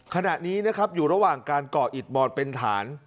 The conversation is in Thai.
ขณะนี้นะครับอยู่ระหว่างการก่ออิดบอดเป็นฐาน